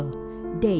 tôi luyện trong lửa